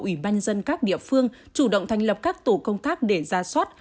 ủy banh dân các địa phương chủ động thành lập các tổ công tác để ra sót